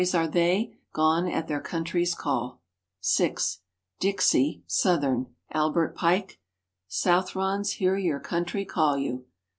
"Brave boys are they, gone at their country's call." (6) Dixie (Southern). Albert Pike. "Southrons, hear your country call you."